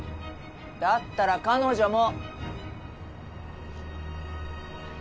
だったら彼女も。